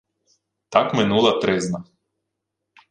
Так минула тризна.